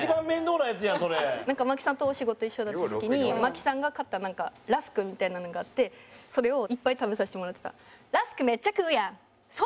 なんか麻貴さんとお仕事一緒だった時に麻貴さんが買ったラスクみたいなのがあってそれをいっぱい食べさせてもらってたら「ラスクめっちゃ食うやん！